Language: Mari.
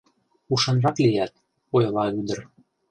— Ушанрак лият, — ойла ӱдыр.